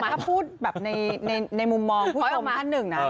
แต่ถ้าพูดแบบในมุมมองถอยออกมาอันหนึ่งนะ